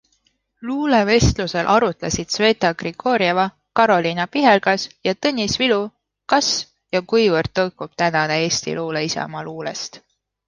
Luulevestlusel arutlesid Sveta Grigorjeva, Carolina Pihelgas ja Tõnis Vilu, kas ja kuivõrd tõukub tänane eesti luule isamaaluulest.